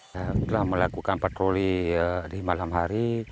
setelah melakukan patroli di malam hari